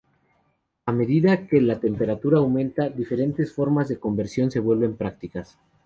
A medida de que la temperatura aumenta, diferentes formas de conversión se vuelven prácticas.